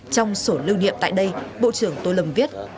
trong sổ lưu niệm tại đây bộ trưởng tô lâm viết